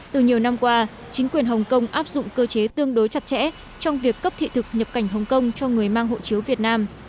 từ nhiều năm qua chính quyền hồng kông áp dụng cơ chế tương đối chặt chẽ trong việc cấp thị thực nhập cảnh hồng kông cho người mang hộ chiếu việt nam